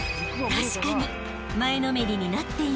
［確かに］